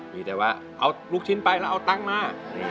มีแต่ว่าเอาลูกชิ้นไปแล้วเอาตังค์มา